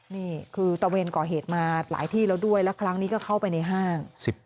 นี่คือตะเวนก่อเหตุมาหลายที่แล้วด้วยแล้วครั้งนี้ก็เข้าไปในห้าง